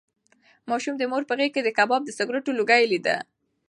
ماشوم د مور په غېږ کې د کباب د سګرټو لوګی لیده.